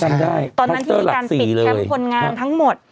จำได้ตอนนั้นที่มีการปิดแคมป์คนงานทั้งหมด